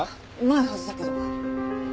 ないはずだけど。